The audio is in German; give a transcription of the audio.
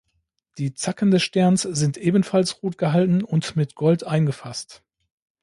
Die Zacken des Sterns sind ebenfalls rot gehalten und mit Gold eingefasst.